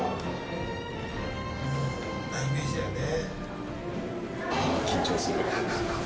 なイメージだよね。